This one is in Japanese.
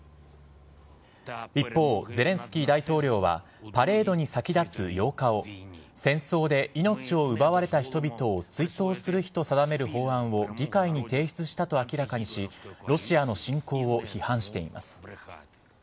一方、ゼレンスキー大統領は、パレードに先立つ８日を、戦争で命を奪われた人々を追悼する日と定める法案を議会に提出したと明らかにし、ロシアの侵攻を批判しています。